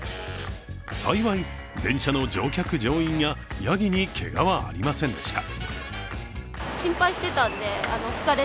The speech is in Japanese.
幸い電車の乗客・乗員ややぎにけがはありませんでした。